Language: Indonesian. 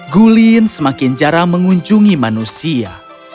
gulin semakin jarang mengunjungi manusia